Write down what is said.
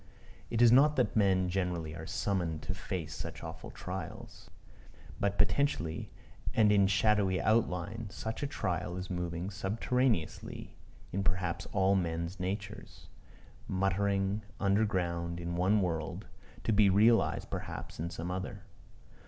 It is not that men generally are summoned to face such awful trials. But potentially, and in shadowy outline, such a trial is moving subterraneously in perhaps all men's natures muttering under ground in one world, to be realized perhaps in some other.